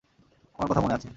আমাদের কথা মনে আছে!